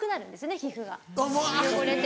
皮膚が汚れて。